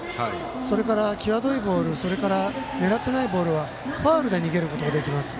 それから、際どいボール狙ってないボールはファウルで逃げることができます。